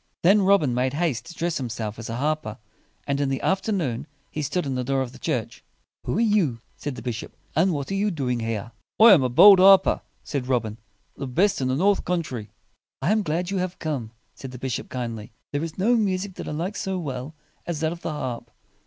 Then Robin made haste to dress himself as a harper; and in the after noon he stood in the door of the church. "Who are you?" said the bishop, "and what are you doing here?" "I am a bold harper," said Robin, "the best in the north country." "I am glad you have come," said the bishop kindly. "There is no music that I like so well as that of the harp.